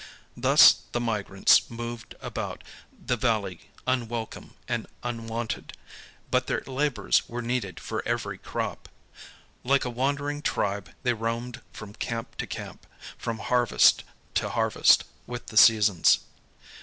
Thus the migrants moved about [he valley unwelcome and unwant ed, but their labors were needed for every crop. Like a \vandering tribe they roamed from camp to camp, from harvest to harv'est, with the seasons.